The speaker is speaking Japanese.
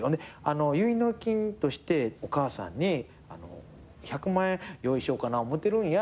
「結納金としてお母さんに１００万円用意しようかな思うてるんや」